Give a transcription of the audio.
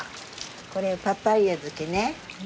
これパパイヤ漬けね。